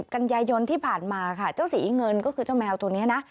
กันยายนที่ผ่านมาค่ะเจ้าสีเงินก็คือเจ้าแมวตัวนี้นะ